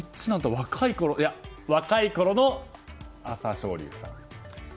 若いころの朝青龍さん！